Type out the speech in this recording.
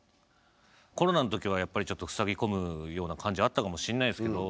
コロナの時はやっぱりちょっとふさぎ込むような感じあったかもしんないですけど